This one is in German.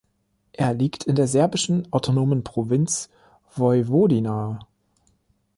Er liegt in der serbischen autonomen Provinz Vojvodina.